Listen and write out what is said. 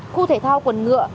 khu thể thao quần ngựa